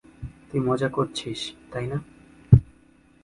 তুই মজা করছিস, তাই না।